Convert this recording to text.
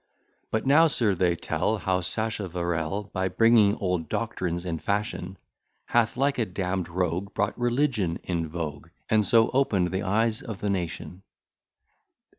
But now, sir, they tell, How Sacheverell, By bringing old doctrines in fashion, Hath, like a damn'd rogue, Brought religion in vogue, And so open'd the eyes of the nation.